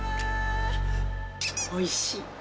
おいしい。